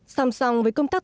sòng sòng với công tác